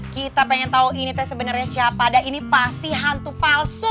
kita pengen tahu ini teh sebenarnya siapa dan ini pasti hantu palsu